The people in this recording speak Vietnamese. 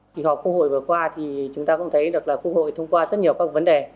kỳ họp quốc hội vừa qua thì chúng ta cũng thấy được là quốc hội thông qua rất nhiều các vấn đề